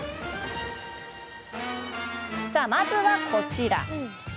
まずは、こちら。